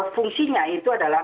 fungsinya itu adalah